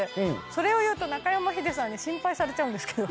それを言うと中山ヒデさんに心配されちゃうんですけど。